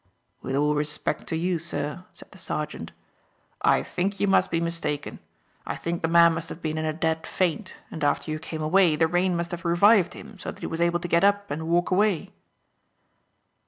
"With all respect to you, sir," said the sergeant, "I think you must be mistaken. I think the man must have been in a dead faint, and after you came away, the rain must have revived him so that he was able to get up and walk away."